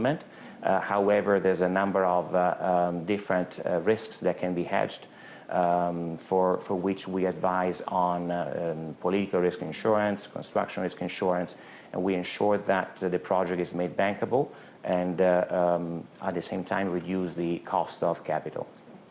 namun ada banyak risiko yang bisa dihantar yang kami sarankan dengan perlengkapan kewangan politik kewangan konstruksi dan kami memastikan proyek ini bisa dibuat bankable dan mengurangkan harga kapital